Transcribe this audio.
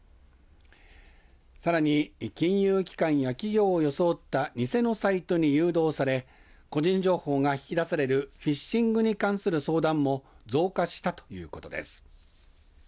さらに金融機関や企業を装った偽のサイトに誘導され個人情報が引き出されるフィッシングに関する相談も増加したということです。